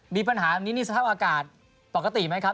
มีปัญหานี้สถาบันอากาศปกติไหม